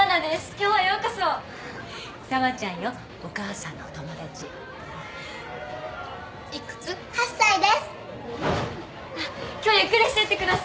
今日ゆっくりしてってください。